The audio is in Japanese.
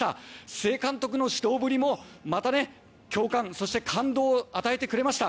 須江監督の指導ぶりも共感・感動を与えてくれました。